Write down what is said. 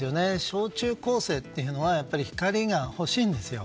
小中高生というのは光が欲しいんですよ。